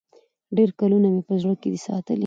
ډېر کلونه مي په زړه کي دی ساتلی